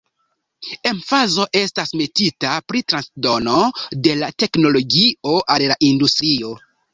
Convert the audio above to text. Emfazo estas metita pri transdono de la teknologio al la industrio.